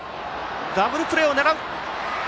ダブルプレーを狙う！